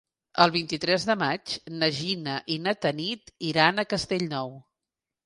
El vint-i-tres de maig na Gina i na Tanit iran a Castellnou.